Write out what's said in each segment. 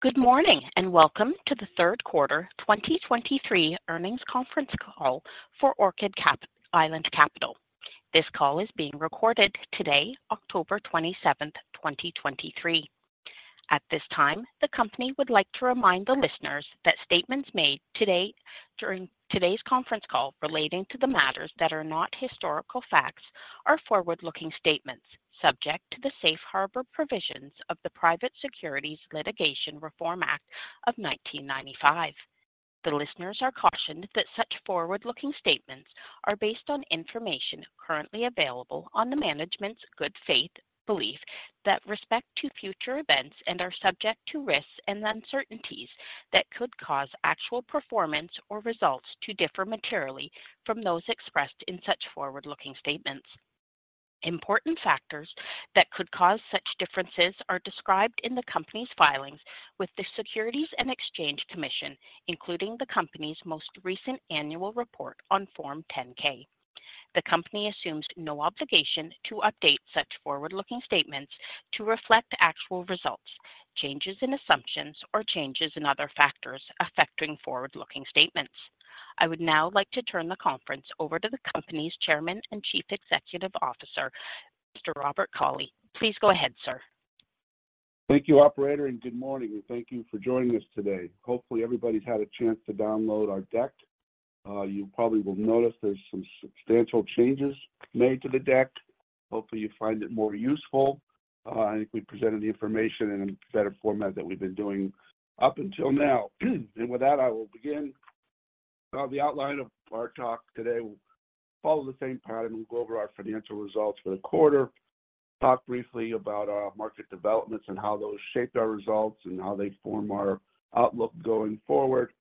Good morning, and welcome to the Q3 2023 earnings conference call for Orchid Island Capital. This call is being recorded today, October 27, 2023. At this time, the company would like to remind the listeners that statements made today during today's conference call relating to the matters that are not historical facts are forward-looking statements subject to the safe harbor provisions of the Private Securities Litigation Reform Act of 1995. The listeners are cautioned that such forward-looking statements are based on information currently available on the management's good faith beliefs with respect to future events, and are subject to risks and uncertainties that could cause actual performance or results to differ materially from those expressed in such forward-looking statements. Important factors that could cause such differences are described in the company's filings with the Securities and Exchange Commission, including the company's most recent annual report on Form 10-K. The company assumes no obligation to update such forward-looking statements to reflect actual results, changes in assumptions, or changes in other factors affecting forward-looking statements. I would now like to turn the conference over to the company's chairman and Chief Executive Officer, Mr. Robert Cauley. Please go ahead, sir. Thank you, operator, and good morning, and thank you for joining us today. Hopefully, everybody's had a chance to download our deck. You probably will notice there's some substantial changes made to the deck. Hopefully, you find it more useful. I think we presented the information in a better format that we've been doing up until now. And with that, I will begin. The outline of our talk today will follow the same pattern. We'll go over our financial results for the quarter, talk briefly about our market developments and how those shaped our results and how they form our outlook going forward,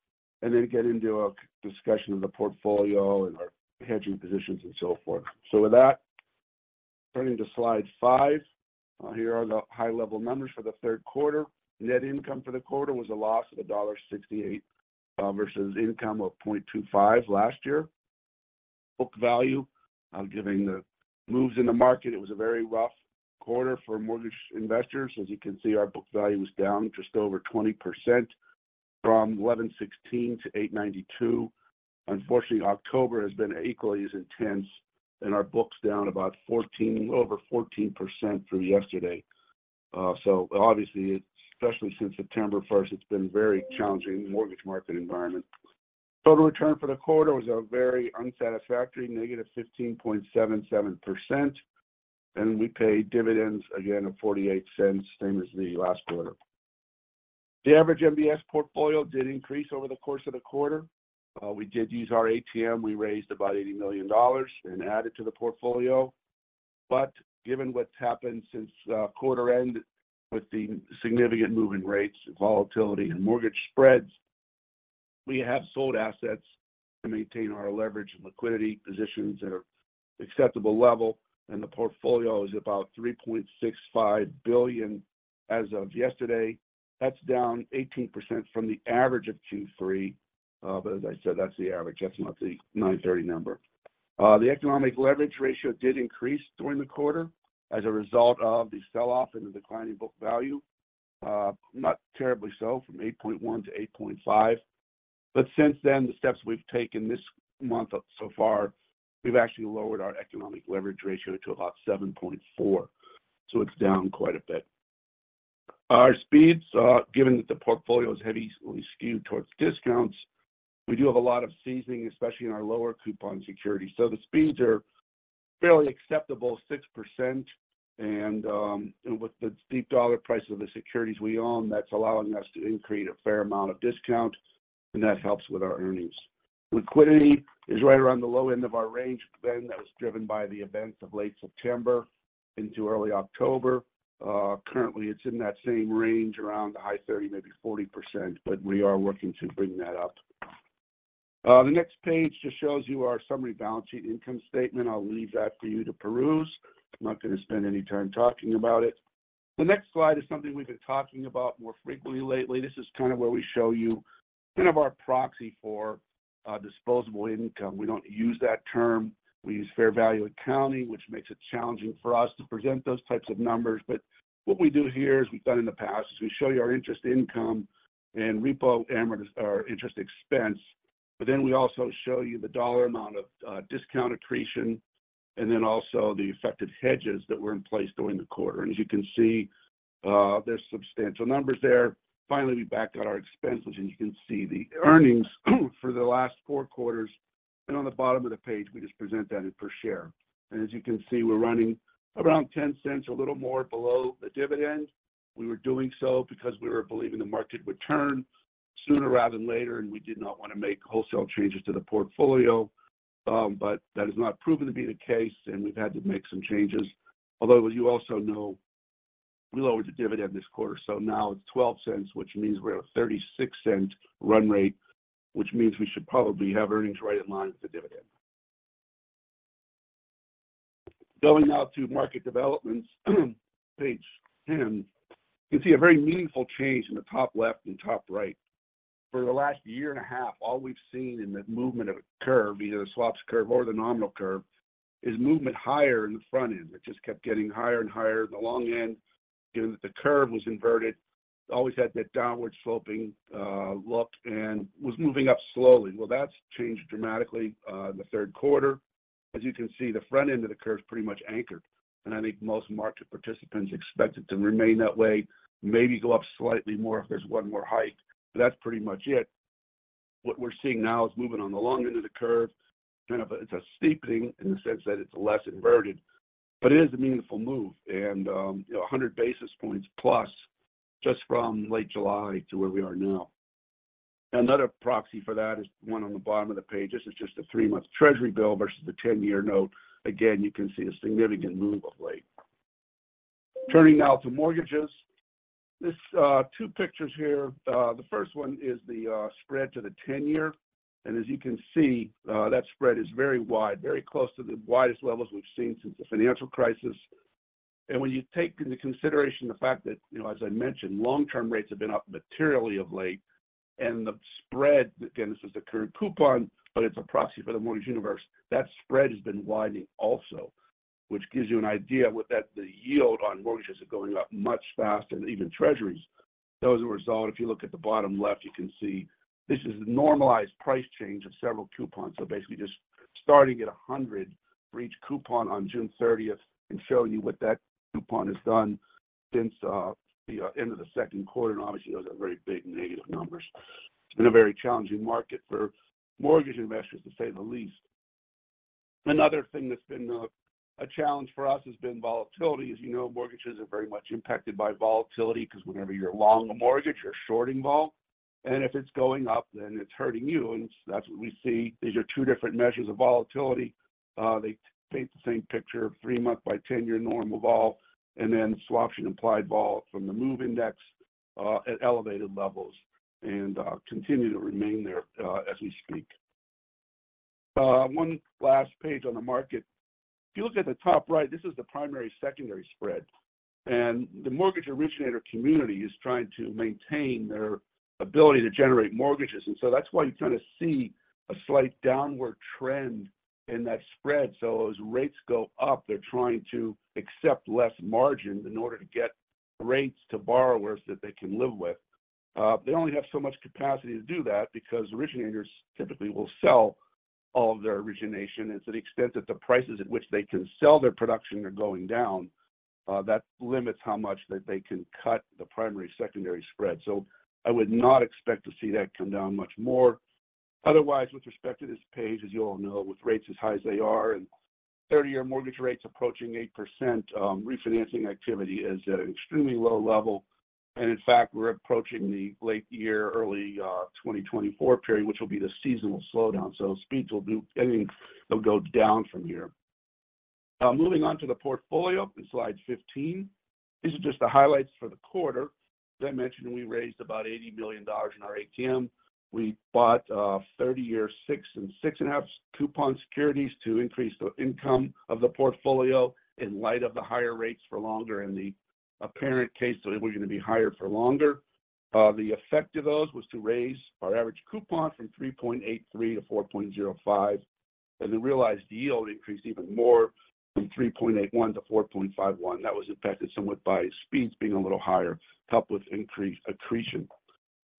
and then get into a discussion of the portfolio and our hedging positions and so forth. So with that, turning to slide 5, here are the high-level numbers for the Q3. Net income for the quarter was a loss of $1.68 versus income of $0.25 last year. Book value, I'm giving the moves in the market. It was a very rough quarter for mortgage investors. As you can see, our book value was down just over 20% from $11.16-8.92. Unfortunately, October has been equally as intense and our book's down about fourteen... over 14% through yesterday. So obviously, especially since September first, it's been very challenging mortgage market environment. Total return for the quarter was a very unsatisfactory -15.77%, and we paid dividends again of $0.48, same as the last quarter. The average MBS portfolio did increase over the course of the quarter. We did use our ATM. We raised about $80 million and added to the portfolio. But given what's happened since quarter end, with the significant move in rates and volatility and mortgage spreads, we have sold assets to maintain our leverage and liquidity positions at an acceptable level, and the portfolio is about $3.65 billion as of yesterday. That's down 18% from the average of Q3. But as I said, that's the average. That's not the 9/30 number. The economic leverage ratio did increase during the quarter as a result of the sell-off and the declining book value. Not terribly so, from 8.1-8.5, but since then, the steps we've taken this month so far, we've actually lowered our economic leverage ratio to about 7.4. So it's down quite a bit. Our speeds, given that the portfolio is heavily skewed towards discounts, we do have a lot of seasoning, especially in our lower coupon security. So the speeds are fairly acceptable, 6%. And with the deep dollar price of the securities we own, that's allowing us to increase a fair amount of discount, and that helps with our earnings. Liquidity is right around the low end of our range, then that was driven by the events of late September into early October. Currently, it's in that same range, around the high 30%-40%, but we are working to bring that up. The next page just shows you our summary balance sheet income statement. I'll leave that for you to peruse. I'm not going to spend any time talking about it. The next slide is something we've been talking about more frequently lately. This is kind of where we show you kind of our proxy for disposable income. We don't use that term. We use fair value accounting, which makes it challenging for us to present those types of numbers. But what we do here, as we've done in the past, is we show you our interest income and repo amortization or interest expense, but then we also show you the dollar amount of discount accretion and then also the effective hedges that were in place during the quarter. And as you can see, there's substantial numbers there. Finally, we backed out our expenses, and you can see the earnings for the last four quarters, and on the bottom of the page, we just present that in per share. And as you can see, we're running around $0.10, a little more below the dividend. We were doing so because we were believing the market would turn sooner rather than later, and we did not want to make wholesale changes to the portfolio. But that has not proven to be the case, and we've had to make some changes. Although, you also know we lowered the dividend this quarter, so now it's $0.12, which means we're at a $0.36 run rate, which means we should probably have earnings right in line with the dividend. Going now to market developments. Page 10. You see a very meaningful change in the top left and top right.... For the last year and a half, all we've seen in the movement of a curve, either the swaps curve or the nominal curve, is movement higher in the front end. It just kept getting higher and higher. The long end, given that the curve was inverted, always had that downward sloping look and was moving up slowly. Well, that's changed dramatically in the Q3. As you can see, the front end of the curve is pretty much anchored, and I think most market participants expect it to remain that way, maybe go up slightly more if there's one more hike, but that's pretty much it. What we're seeing now is movement on the long end of the curve. It's a steepening in the sense that it's less inverted, but it is a meaningful move and, you know, 100 basis points plus just from late July to where we are now. Another proxy for that is the one on the bottom of the page. This is just a 3-month Treasury bill versus a 10-year note. Again, you can see a significant move of late. Turning now to mortgages. This, two pictures here, the first one is the spread to the 10-year, and as you can see, that spread is very wide, very close to the widest levels we've seen since the financial crisis. And when you take into consideration the fact that, you know, as I mentioned, long-term rates have been up materially of late and the spread, again, this is the current coupon, but it's a proxy for the mortgage universe. That spread has been widening also, which gives you an idea with that the yield on mortgages are going up much faster than even Treasuries. So as a result, if you look at the bottom left, you can see this is a normalized price change of several coupons. So basically just starting at 100 for each coupon on June 30th and showing you what that coupon has done since the end of the Q2. And obviously, those are very big negative numbers. It's been a very challenging market for mortgage investors, to say the least. Another thing that's been a challenge for us has been volatility. As you know, mortgages are very much impacted by volatility, 'cause whenever you're long a mortgage, you're shorting vol, and if it's going up, then it's hurting you, and that's what we see. These are two different measures of volatility. They paint the same picture, 3-month by 10-year normal vol, and then swap and implied vol from the MOVE Index at elevated levels and continue to remain there as we speak. One last page on the market. If you look at the top right, this is the primary-secondary spread, and the mortgage originator community is trying to maintain their ability to generate mortgages. And so that's why you kind of see a slight downward trend in that spread. So as rates go up, they're trying to accept less margins in order to get rates to borrowers that they can live with. They only have so much capacity to do that because originators typically will sell all of their origination. And to the extent that the prices at which they can sell their production are going down, that limits how much that they can cut the primary-secondary spread. So I would not expect to see that come down much more. Otherwise, with respect to this page, as you all know, with rates as high as they are and 30-year mortgage rates approaching 8%, refinancing activity is at an extremely low level. And in fact, we're approaching the late year, early 2024 period, which will be the seasonal slowdown. So speeds will I think they'll go down from here. Moving on to the portfolio in slide 15. These are just the highlights for the quarter. As I mentioned, we raised about $80 million in our ATM. We bought 30-year 6 and 6.5 coupon securities to increase the income of the portfolio in light of the higher rates for longer and the apparent case that they were going to be higher for longer. The effect of those was to raise our average coupon from 3.83-4.05, and the realized yield increased even more from 3.81-4.51. That was impacted somewhat by speeds being a little higher, helped with increased accretion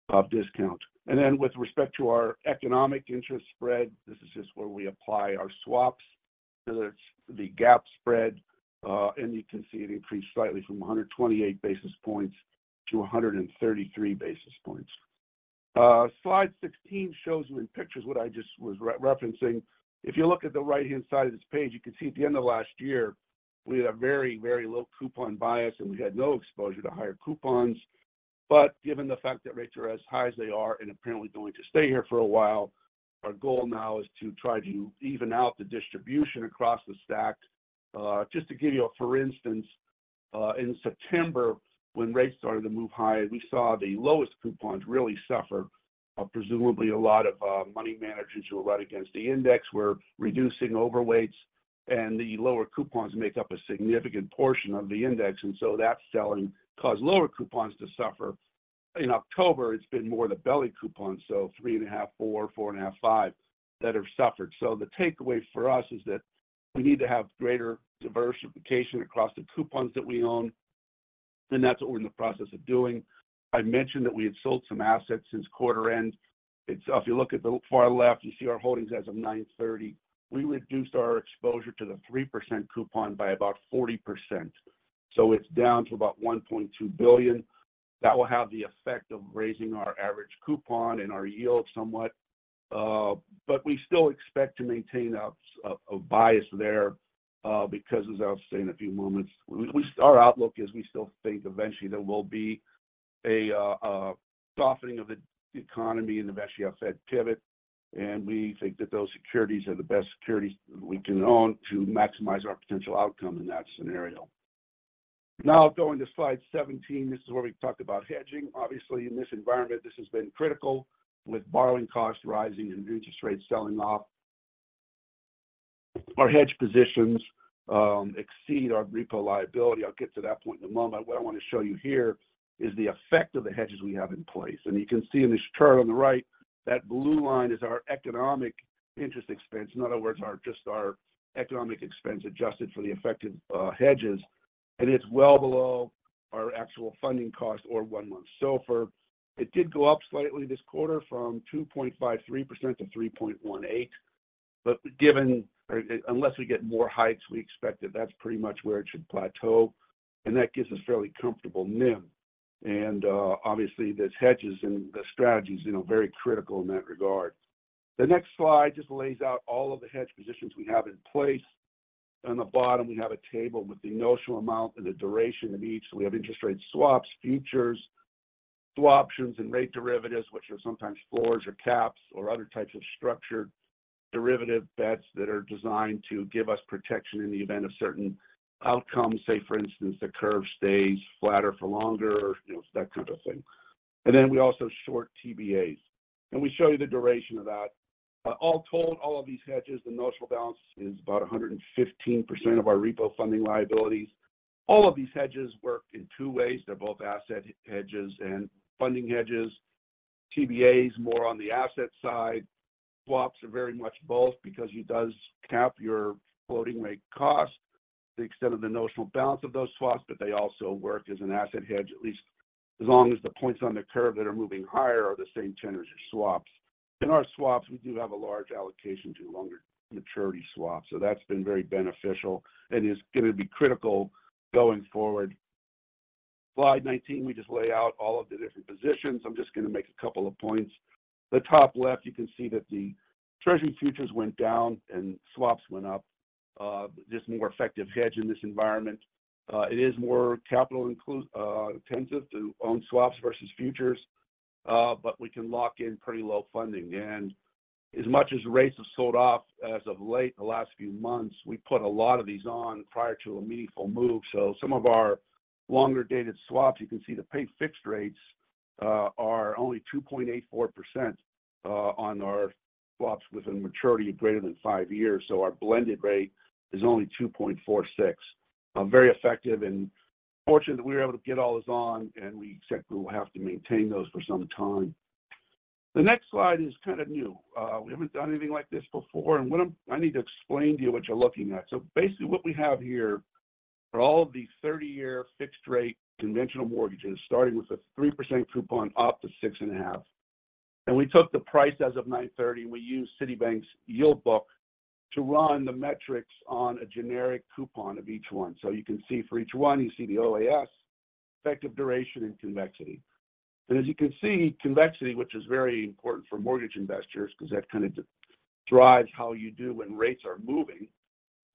of discount. With respect to our economic interest spread, this is just where we apply our swaps. So there's the GAAP spread, and you can see it increased slightly from 128 basis points to 133 basis points. Slide 16 shows you in pictures what I just was referencing. If you look at the right-hand side of this page, you can see at the end of last year, we had a very, very low coupon bias, and we had no exposure to higher coupons. But given the fact that rates are as high as they are and apparently going to stay here for a while, our goal now is to try to even out the distribution across the stack. Just to give you a for instance, in September, when rates started to move higher, we saw the lowest coupons really suffer. Presumably, a lot of money managers who are right against the index were reducing overweights, and the lower coupons make up a significant portion of the index, and so that selling caused lower coupons to suffer. In October, it's been more the belly coupons, so 3.5, 4, 4.5, 5, that have suffered. So the takeaway for us is that we need to have greater diversification across the coupons that we own, and that's what we're in the process of doing. I mentioned that we had sold some assets since quarter end. It's. If you look at the far left, you see our holdings as of 9:30 A.M. We reduced our exposure to the 3% coupon by about 40%, so it's down to about $1.2 billion. That will have the effect of raising our average coupon and our yield somewhat, but we still expect to maintain a bias there, because as I'll say in a few moments, our outlook is we still think eventually there will be a softening of the economy and eventually a Fed pivot, and we think that those securities are the best securities we can own to maximize our potential outcome in that scenario. Now, going to slide 17. This is where we talked about hedging. Obviously, in this environment, this has been critical with borrowing costs rising and interest rates selling off. Our hedge positions exceed our repo liability. I'll get to that point in a moment. What I want to show you here is the effect of the hedges we have in place, and you can see in this chart on the right, that blue line is our economic interest expense. In other words, our, just our economic expense adjusted for the affected hedges, and it's well below our actual funding cost or 1-month SOFR. It did go up slightly this quarter from 2.53%-3.18%, but given, or, unless we get more hikes, we expect that that's pretty much where it should plateau, and that gives us fairly comfortable NIM. Obviously, those hedges and the strategy's, you know, very critical in that regard. The next slide just lays out all of the hedge positions we have in place. On the bottom, we have a table with the notional amount and the duration of each. So we have interest rate swaps, futures, swap options, and rate derivatives, which are sometimes floors or caps or other types of structured derivative bets that are designed to give us protection in the event of certain outcomes. Say, for instance, the curve stays flatter for longer, you know, that kind of thing. And then we also short TBAs, and we show you the duration of that. All told, all of these hedges, the notional balance is about 115% of our repo funding liabilities. All of these hedges work in two ways. They're both asset hedges and funding hedges. TBA is more on the asset side. Swaps are very much both because it does cap your floating rate cost to the extent of the notional balance of those swaps, but they also work as an asset hedge, at least as long as the points on the curve that are moving higher are the same tenors as swaps. In our swaps, we do have a large allocation to longer maturity swaps, so that's been very beneficial and is going to be critical going forward. Slide 19, we just lay out all of the different positions. I'm just going to make a couple of points. The top left, you can see that the Treasury futures went down and swaps went up. Just a more effective hedge in this environment. It is more capital intensive to own swaps versus futures, but we can lock in pretty low funding. As much as rates have sold off as of late in the last few months, we put a lot of these on prior to a meaningful move. Some of our longer-dated swaps, you can see the paid fixed rates are only 2.84% on our swaps with a maturity of greater than 5 years. Our blended rate is only 2.46%. Very effective and fortunate that we were able to get all this on, and we expect we will have to maintain those for some time. The next slide is kind of new. We haven't done anything like this before, and what I'm—I need to explain to you what you're looking at. So basically, what we have here are all of these 30-year fixed-rate conventional mortgages, starting with 3%-6.5%. And we took the price as of 9:30 A.M., and we used Citibank's Yield Book to run the metrics on a generic coupon of each one. So you can see for each one, you see the OAS, effective duration, and convexity. And as you can see, convexity, which is very important for mortgage investors because that kind of drives how you do when rates are moving,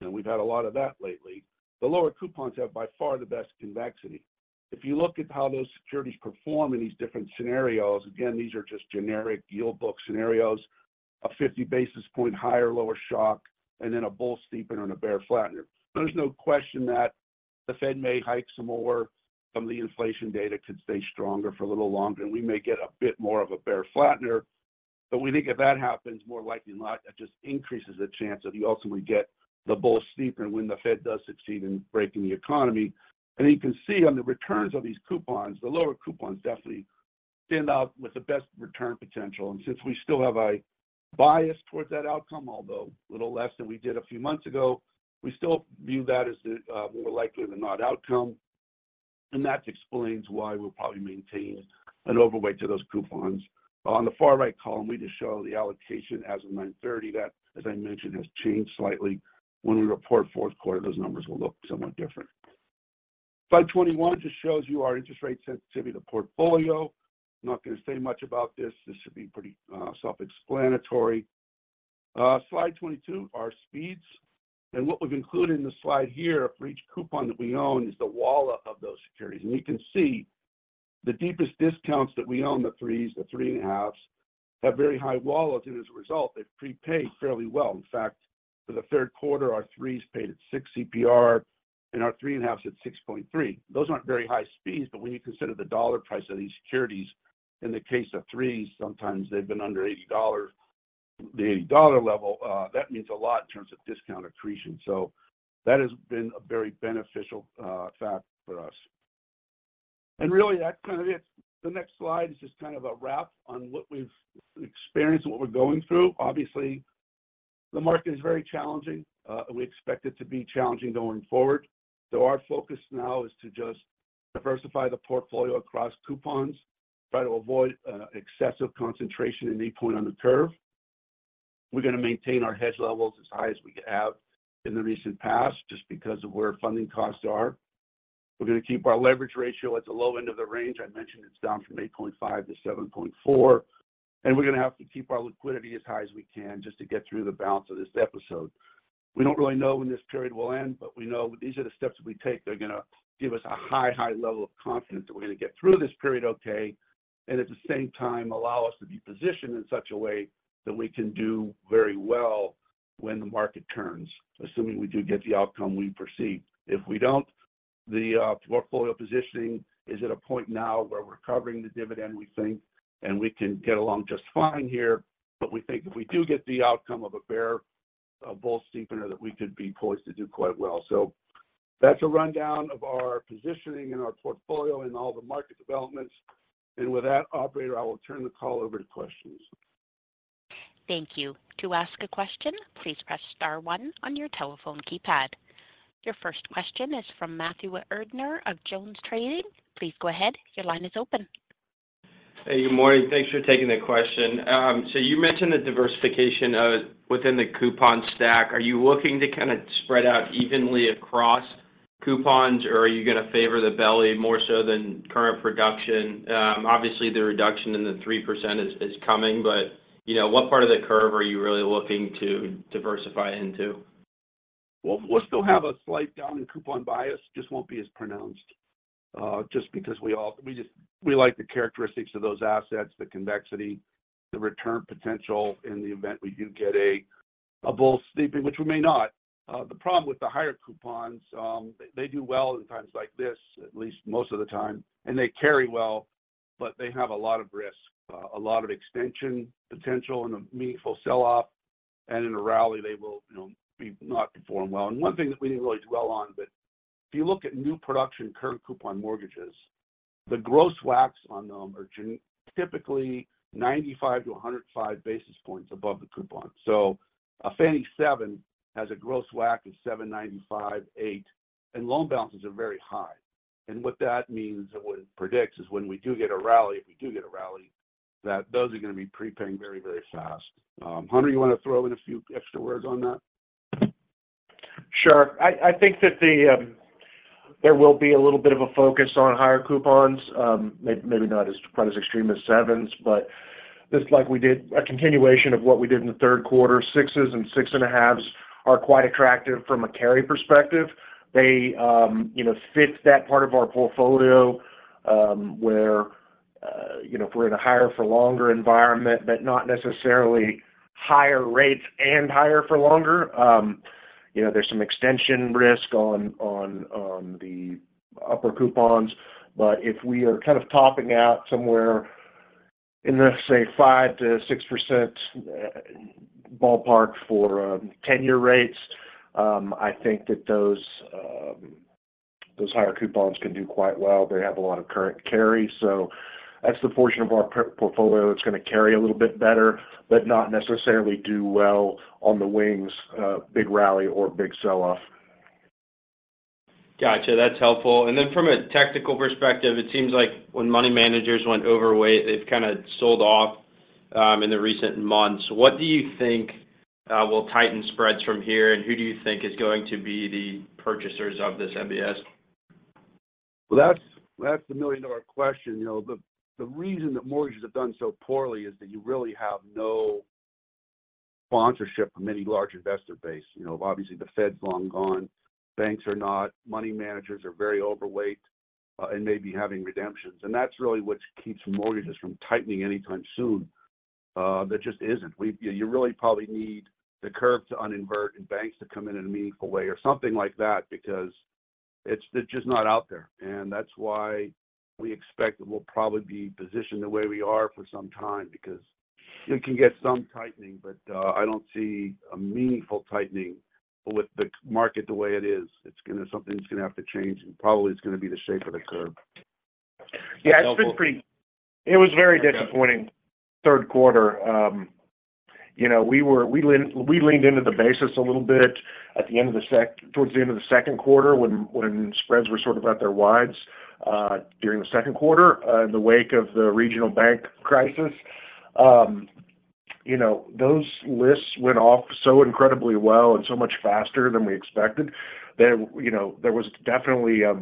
and we've had a lot of that lately. The lower coupons have, by far, the best convexity. If you look at how those securities perform in these different scenarios, again, these are just generic Yield Book scenarios, a 50 basis point higher, lower shock, and then a bull steepen and a bear flattener. There's no question that the Fed may hike some more from the inflation data could stay stronger for a little longer, and we may get a bit more of a bear flattener. But we think if that happens, more likely than not, that just increases the chance that you ultimately get the bull steepener when the Fed does succeed in breaking the economy. And you can see on the returns of these coupons, the lower coupons definitely stand out with the best return potential. And since we still have a bias towards that outcome, although a little less than we did a few months ago, we still view that as the more likely than not outcome, and that explains why we'll probably maintain an overweight to those coupons. On the far right column, we just show the allocation as of 9:30. That, as I mentioned, has changed slightly. When we report Q4, those numbers will look somewhat different. Slide 21 just shows you our interest rate sensitivity to portfolio. Not going to say much about this. This should be pretty self-explanatory. Slide 22, our speeds. And what we've included in the slide here for each coupon that we own is the WALA of those securities. And you can see the deepest discounts that we own, the threes, the 3.5s, have very high WALAs, and as a result, they've prepaid fairly well. In fact, for the Q3, our threes paid at 6 CPR and our 3.5s at 6.3. Those aren't very high speeds, but when you consider the dollar price of these securities, in the case of threes, sometimes they've been under $80. The $80 level, that means a lot in terms of discount accretion, so that has been a very beneficial, fact for us. And really, that's kind of it. The next slide is just kind of a wrap on what we've experienced and what we're going through. Obviously, the market is very challenging. We expect it to be challenging going forward. So our focus now is to just diversify the portfolio across coupons, try to avoid, excessive concentration in any point on the curve. We're going to maintain our hedge levels as high as we have in the recent past, just because of where funding costs are. We're going to keep our leverage ratio at the low end of the range. I mentioned it's down from 8.5-7.4, and we're going to have to keep our liquidity as high as we can just to get through the balance of this episode. We don't really know when this period will end, but we know these are the steps we take that are going to give us a high, high level of confidence that we're going to get through this period okay. And at the same time, allow us to be positioned in such a way that we can do very well when the market turns, assuming we do get the outcome we perceive. If we don't, the portfolio positioning is at a point now where we're covering the dividend, we think, and we can get along just fine here. But we think if we do get the outcome of a bear-a- bull steepener, that we could be poised to do quite well. So that's a rundown of our positioning in our portfolio and all the market developments. And with that, operator, I will turn the call over to questions. Thank you. To ask a question, please press star one on your telephone keypad. Your first question is from Matthew Erdner of JonesTrading. Please go ahead. Your line is open. Hey, good morning. Thanks for taking the question. So you mentioned the diversification of, within the coupon stack. Are you looking to kind of spread out evenly across coupons, or are you going to favor the belly more so than current production? Obviously, the reduction in the 3% is coming, but, you know, what part of the curve are you really looking to diversify into? Well, we'll still have a slight down in coupon bias, just won't be as pronounced, just because we just, we like the characteristics of those assets, the convexity, the return potential in the event we do get a, a bull steepening, which we may not. The problem with the higher coupons, they do well in times like this, at least most of the time, and they carry well, but they have a lot of risk, a lot of extension potential and a meaningful sell-off, and in a rally, they will, you know, may not perform well. And one thing that we didn't really dwell on, but if you look at new production, current coupon mortgages, the gross WACs on them are typically 95-105 basis points above the coupon. So a Fannie seven has a gross WAC of 7.95, 8, and loan balances are very high. And what that means and what it predicts is when we do get a rally, if we do get a rally, that those are going to be prepaying very, very fast. Hunter, you want to throw in a few extra words on that? Sure. I, I think that the, there will be a little bit of a focus on higher coupons, maybe not as quite as extreme as 7s, but just like we did a continuation of what we did in the Q3, 6s and 6.5s are quite attractive from a carry perspective. They, you know, fit that part of our portfolio, where, you know, if we're in a higher for longer environment, but not necessarily higher rates and higher for longer, you know, there's some extension risk on the upper coupons. But if we are kind of topping out somewhere in, let's say, 5%-6%, ballpark for 10-year rates, I think that those higher coupons can do quite well. They have a lot of current carry, so that's the portion of our portfolio that's going to carry a little bit better, but not necessarily do well on the wings, big rally or big sell-off. Gotcha. That's helpful. And then from a technical perspective, it seems like when money managers went overweight, they've kind of sold off in the recent months. What do you think will tighten spreads from here, and who do you think is going to be the purchasers of this MBS? Well, that's the million-dollar question. You know, the reason that mortgages have done so poorly is that you really have no sponsorship from any large investor base. You know, obviously, the Fed's long gone, banks are not, money managers are very overweight, and may be having redemptions, and that's really what keeps mortgages from tightening anytime soon. There just isn't. You really probably need the curve to uninvert and banks to come in in a meaningful way or something like that because it's just not out there, and that's why we expect that we'll probably be positioned the way we are for some time, because you can get some tightening, but, I don't see a meaningful tightening with the market the way it is. It's gonna- something's gonna have to change, and probably it's gonna be the shape of the curve. Yeah, it's been pretty- Okay. It was very disappointing, Q3. You know, we leaned, we leaned into the basis a little bit at the end of towards the end of the Q2, when spreads were sort of at their wides during the Q2, in the wake of the regional bank crisis. You know, those lists went off so incredibly well and so much faster than we expected that, you know, there was definitely a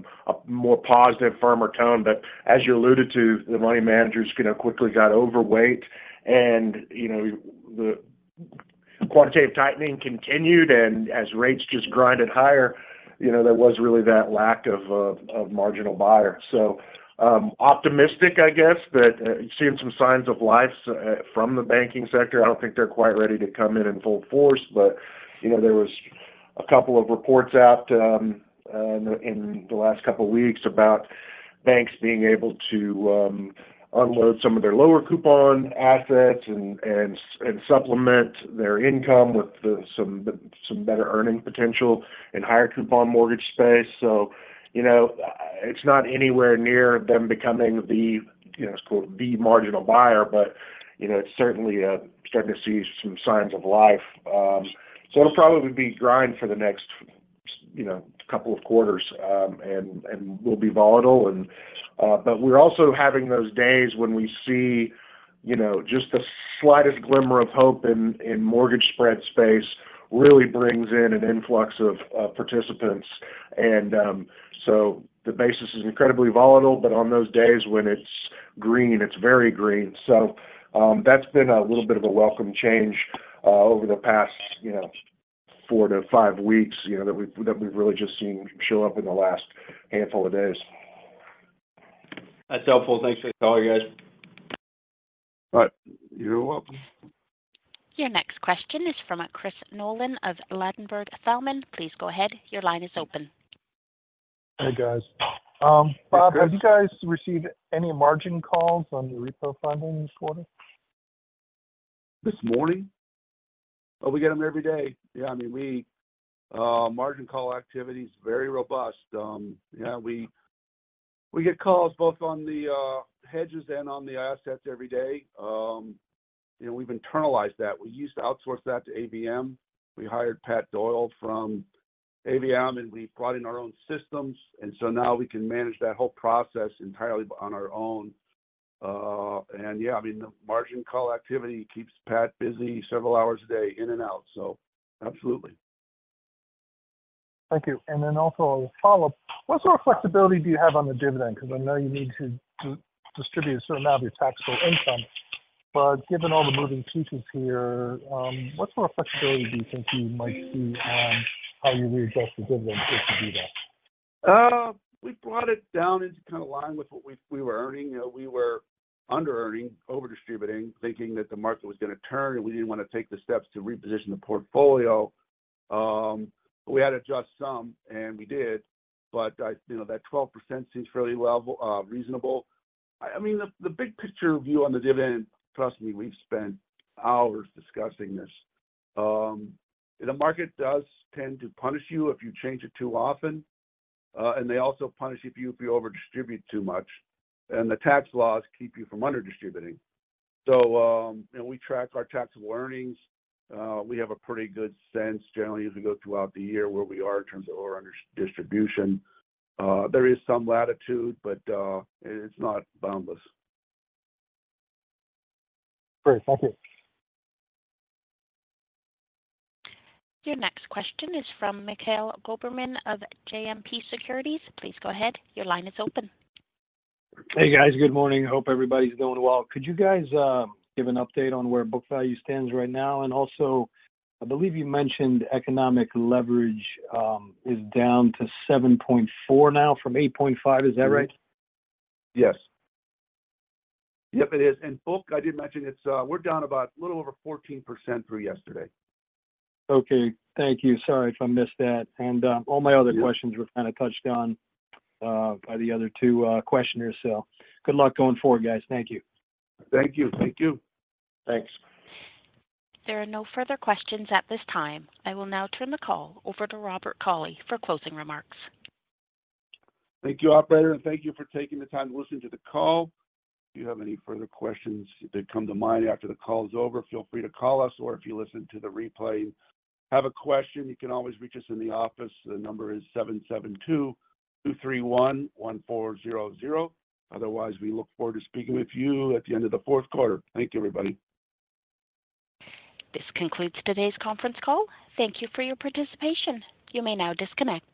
more positive, firmer tone. But as you alluded to, the money managers, you know, quickly got overweight and, you know, the quantitative tightening continued, and as rates just grinded higher, you know, there was really that lack of a marginal buyer. So, optimistic, I guess, but seeing some signs of life from the banking sector. I don't think they're quite ready to come in in full force, but, you know, there was a couple of reports out in the last couple of weeks about banks being able to unload some of their lower coupon assets and supplement their income with some better earning potential in higher coupon mortgage space. So, you know, it's not anywhere near them becoming the, you know, quote, "the marginal buyer," but, you know, it's certainly starting to see some signs of life. So it'll probably be grind for the next, you know, couple of quarters and will be volatile. But we're also having those days when we see, you know, just the slightest glimmer of hope in mortgage spread space really brings in an influx of participants. So the basis is incredibly volatile, but on those days when it's green, it's very green. So, that's been a little bit of a welcome change over the past, you know, 4-5 weeks, you know, that we've really just seen show up in the last handful of days.... That's helpful. Thanks for the call, you guys. All right. You're welcome. Your next question is from Chris Nolan of Ladenburg Thalmann. Please go ahead. Your line is open. Hey, guys. Hey, Chris. Bob, have you guys received any margin calls on the repo funding this quarter? This morning. Oh, we get them every day. Yeah, I mean, we, margin call activity is very robust. Yeah, we, we get calls both on the, hedges and on the assets every day. And we've internalized that. We used to outsource that to AVM. We hired Pat Doyle from AVM, and we brought in our own systems, and so now we can manage that whole process entirely on our own. And yeah, I mean, the margin call activity keeps Pat busy several hours a day, in and out, so absolutely. Thank you. And then also a follow-up. What sort of flexibility do you have on the dividend? Because I know you need to, to distribute a certain amount of your taxable income, but given all the moving pieces here, what sort of flexibility do you think you might see on how you readjust the dividend if you do that? We brought it down into kinda line with what we were earning. You know, we were under-earning, over-distributing, thinking that the market was gonna turn, and we didn't want to take the steps to reposition the portfolio. We had to adjust some, and we did, but I, you know, that $0.12 seems fairly well reasonable. I mean, the big picture view on the dividend, trust me, we've spent hours discussing this. The market does tend to punish you if you change it too often, and they also punish you if you over-distribute too much, and the tax laws keep you from under-distributing. So, and we track our taxable earnings. We have a pretty good sense, generally, as we go throughout the year, where we are in terms of over-under distribution. There is some latitude, but it's not boundless. Great. Thank you. Your next question is from Mikhail Goberman of JMP Securities. Please go ahead. Your line is open. Guys. Good morning. Hope everybody's doing well. Could you guys give an update on where Book Value stands right now? And also, I believe you mentioned economic leverage is down to 7.4 now from 8.5. Is that right? Yes. Yep, it is. And book, I did mention it's, we're down about a little over 14% through yesterday. Okay. Thank you. Sorry if I missed that. All my other questions- Yeah... were kinda touched on by the other two questioners. So good luck going forward, guys. Thank you. Thank you. Thank you. Thanks. There are no further questions at this time. I will now turn the call over to Robert E. Cauley for closing remarks. Thank you, operator, and thank you for taking the time to listen to the call. If you have any further questions that come to mind after the call is over, feel free to call us, or if you listen to the replay, have a question, you can always reach us in the office. The number is 772-231-1400. Otherwise, we look forward to speaking with you at the end of the Q4. Thank you, everybody. This concludes today's conference call. Thank you for your participation. You may now disconnect.